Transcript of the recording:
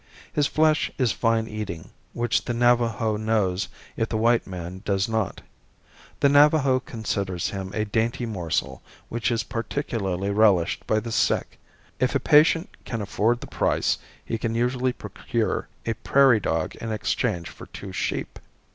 His flesh is fine eating, which the Navajo knows if the white man does not. The Navajo considers him a dainty morsel which is particularly relished by the sick. If a patient can afford the price, he can usually procure a prairie dog in exchange for two sheep.